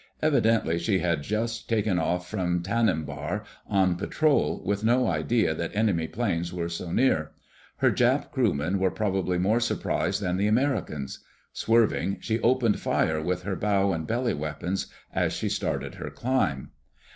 Evidently she had just taken off from Tanimbar on patrol, with no idea that enemy planes were so near. Her Jap crewmen were probably more surprised than the Americans. Swerving, she opened fire with her bow and belly weapons as she started her climb.